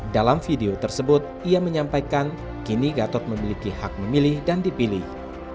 dalam video tersebut ia menyampaikan kini gatot memiliki hak memilih dan dipilih